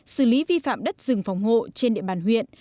xử lý vi phạm đất rừng phòng hộ trên địa bàn huyện